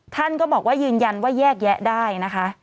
ท่านก็บอกว่ายืนยันว่าแยกแยะได้นะคะ